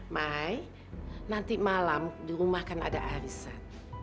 mai nanti malam di rumah kan ada arisan